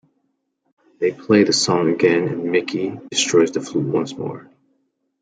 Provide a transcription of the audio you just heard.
They play the song again and Mickey destroys the flute once more.